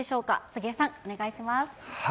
杉江さん、お願いします。